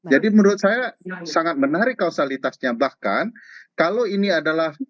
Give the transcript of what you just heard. jadi menurut saya sangat menarik kausalitasnya bahkan kalau ini adalah